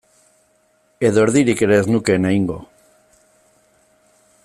Edo erdirik ere ez nukeen egingo.